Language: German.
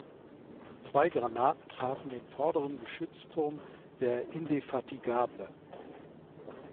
Zwei Granaten trafen den vorderen Geschützturm der "Indefatigable".